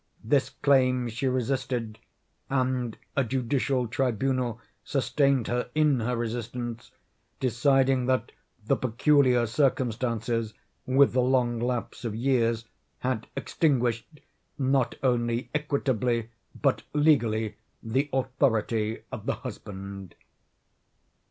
This claim she resisted, and a judicial tribunal sustained her in her resistance, deciding that the peculiar circumstances, with the long lapse of years, had extinguished, not only equitably, but legally, the authority of the husband.